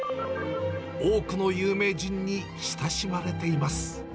多くの有名人に親しまれています。